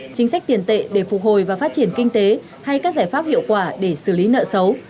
chính sách tiền tệ để phục hồi và phát triển kinh tế hay các giải pháp hiệu quả để xử lý nợ xấu